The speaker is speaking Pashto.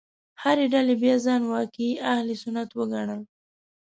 هرې ډلې بیا ځان واقعي اهل سنت وګڼل.